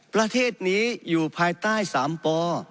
ประเทศนี้อยู่ภายใต้๓ป